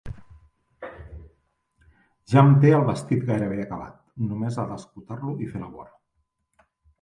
Ja em té el vestit gairebé acabat, només ha d'escotar-lo i fer la vora.